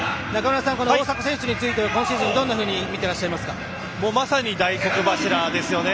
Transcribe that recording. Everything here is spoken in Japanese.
大迫選手については今シーズンどんなふうにまさに大黒柱ですよね。